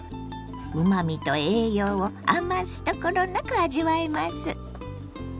うまみと栄養を余すところなく味わえます。